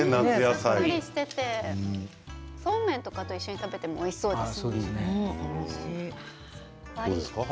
さっぱりしていてそうめんとかと一緒に食べても夏です。